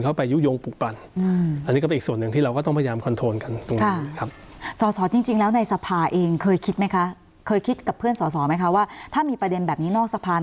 ก็พูดกันนะเราก็คุยกัน